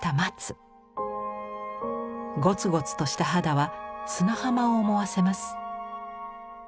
ゴツゴツとした肌は砂浜を思わせます。